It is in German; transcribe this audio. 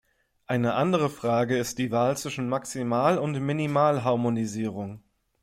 Eine andere Frage ist die Wahl zwischen Maximal- und Minimalharmonisierung.